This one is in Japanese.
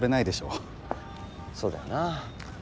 そうだよな。